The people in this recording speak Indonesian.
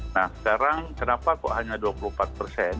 nah sekarang kenapa kok hanya dua puluh empat persen